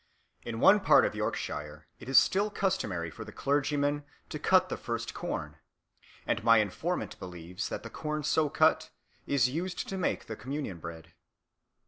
In one part of Yorkshire it is still customary for the clergyman to cut the first corn; and my informant believes that the corn so cut is used to make the communion bread.